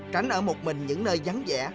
hai tránh ở một mình những nơi vắng vẻ